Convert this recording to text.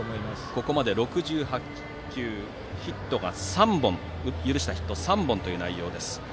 ここまで６８球で許したヒット３本という内容です。